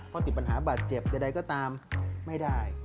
ข้อคิดปัญหาบาดเจ็บเดี๋ยวใดก็ตามไม่ได้